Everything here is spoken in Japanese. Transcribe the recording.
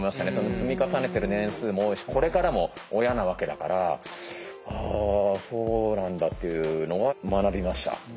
積み重ねてる年数も多いしこれからも親なわけだからあそうなんだっていうのは学びました。